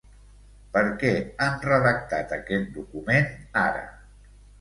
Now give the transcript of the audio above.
Per què han redactat aquest document ara?